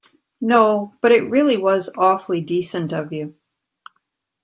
No, but it really was awfully decent of you.